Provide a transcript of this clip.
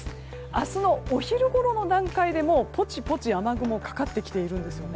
明日のお昼ごろの段階でポチポチ雨雲がかかってきているんです。